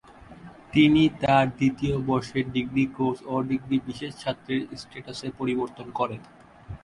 তিনি তার দ্বিতীয়বর্ষে degree course "অ-ডিগ্রী বিশেষ ছাত্রের স্ট্যাটাসে" পরিবর্তন করেন।